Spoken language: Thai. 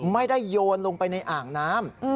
ไม่ได้โยนลงไปในอ่างน้ำ